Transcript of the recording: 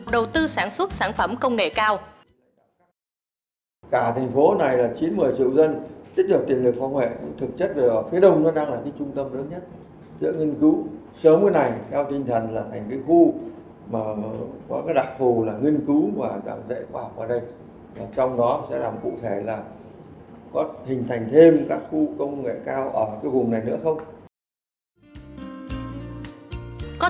đầu tư sản xuất sản phẩm công nghệ cao